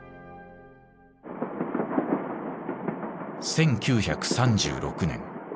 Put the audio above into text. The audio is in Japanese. １９３６年